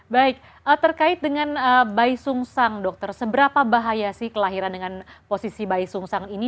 baik terkait dengan bayi sungsang dokter seberapa bahaya sih kelahiran dengan posisi bayi sungsang ini